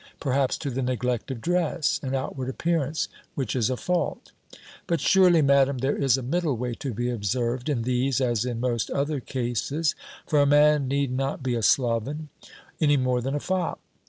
perhaps to the neglect of dress, and outward appearance, which is a fault. But surely, Madam, there is a middle way to be observed, in these, as in most other cases; for a man need not be a sloven, any more than a fop.